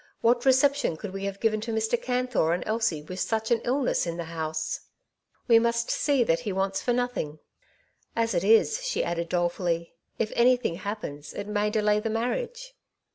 What reception could we have given to Mr. Canthor and Elsie with such an illness in the house ? We must The Marriage at Clinton Park. 2 1 3 see that lie wants for nothing. As it is/' she added dolefully, '^if anything happens it may delay the marriage."